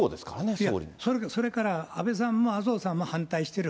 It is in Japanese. それから安倍さんも麻生さんも反対してる。